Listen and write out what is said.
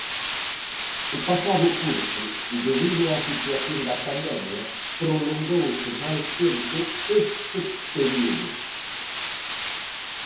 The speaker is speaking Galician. O pasado curso, debido á situación da pandemia, prolongouse máis tempo este período.